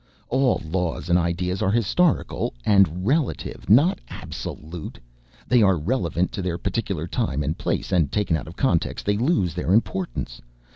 All laws and ideas are historical and relative, not absolute. They are relevant to their particular time and place and taken out of context they lose their importance.